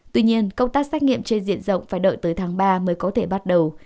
tuy nhiên công tác xét nghiệm trên diện rộng phải đợi tới tháng ba mới có thể bắt đầu